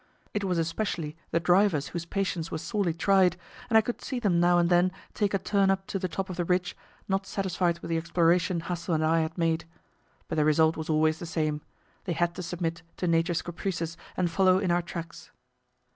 It was especially the drivers whose patience was sorely tried, and I could see them now and then take a turn up to the top of the ridge, not satisfied with the exploration Hassel and I had made. But the result was always the same; they had to submit to Nature's caprices and follow in our tracks.